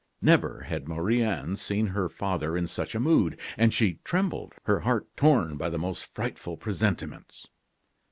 Never had Marie Anne seen her father in such a mood; and she trembled, her heart torn by the most frightful presentiments.